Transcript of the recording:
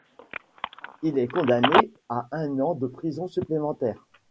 Il est condamné à un an de prison supplémentaire.